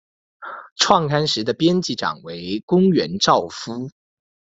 创刊时的编辑长为宫原照夫。